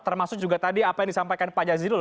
termasuk juga tadi apa yang disampaikan pak jazilul